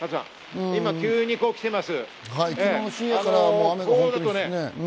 急に来ています。